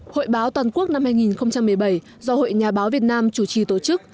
hội báo toàn quốc năm hai nghìn một mươi bảy do hội nhà báo việt nam chủ trì tổ chức